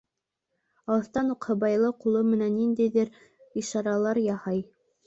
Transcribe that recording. Алыҫтан уҡ һыбайлы ҡулы менән ниндәйҙер ишаралар яһай.